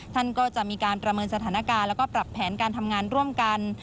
ท่านก็จะมีการประเมินสถานการณ์แล้วก็ปรับแผนการทำงานร่วมกัน